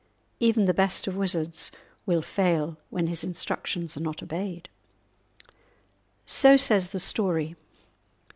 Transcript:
Even the best of wizards will fail when his instructions are not obeyed. So says the story.